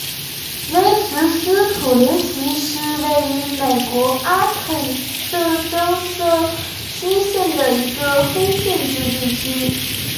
威茨斯普林斯是位于美国阿肯色州瑟西县的一个非建制地区。